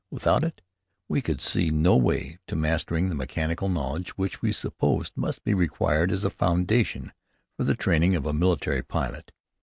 Without it, we could see no way to mastering the mechanical knowledge which we supposed must be required as a foundation for the training of a military pilot.